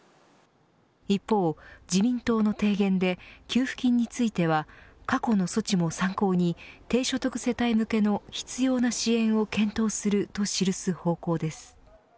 一方、自民党の提言で給付金については過去の措置も参考に低所得世帯向けの必要な支援を検討すると記す方向です。